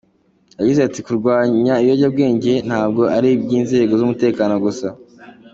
Yagize ati:” kurwanya ibiyobyabwenge ntabwo ari iby’inzego z’umutekano gusa.